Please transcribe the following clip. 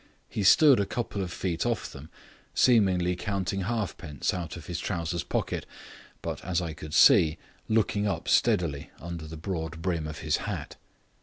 He stood a couple of feet off them, seemingly counting halfpence out of his trousers pocket, but, as I could see, looking up steadily under the broad brim of his hat.